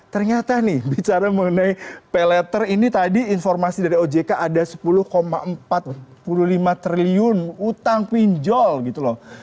ternyata nih bicara mengenai pay letter ini tadi informasi dari ojk ada sepuluh empat puluh lima triliun utang pinjol gitu loh